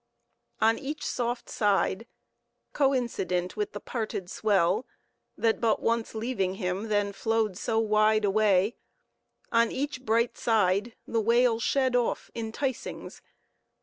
On each soft side—coincident with the parted swell, that but once leaving him, then flowed so wide away—on each bright side, the whale shed off enticings.